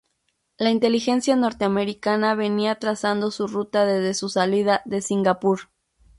La inteligencia norteamericana venía trazando su ruta desde su salida de Singapur.